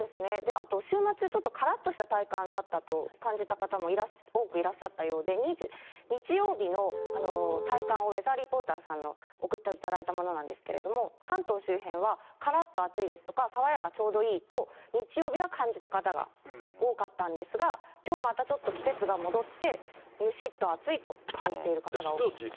あと週末、ちょっとからっとした体感だったと感じた方も多くいらっしゃったようで、日曜日の体感をウェザーリポートさんに送っていただいたものなんですけども、関東周辺はからっと暑いですとか、爽やか、ちょうどいいと、日曜日は感じた方が多かったんですが、きょうまたちょっと季節が戻って、むしっと暑いと感じている方が多い。